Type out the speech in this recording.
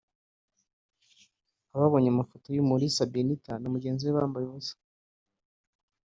Ababonye amafoto ya Umulisa Benitha na mugenzi we bambaye ubusa